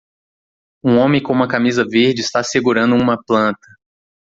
Um homem com uma camisa verde está segurando uma planta.